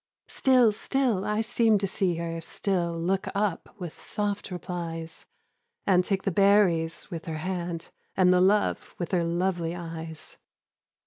Still, still I seemed to see her, still Look up with soft replies, And take the berries with her hand, And the love with her lovely eyes.